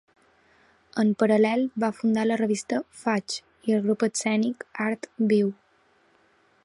En paral·lel va fundar la revista ‘Faig’ i el grup escènic ‘Art Viu’.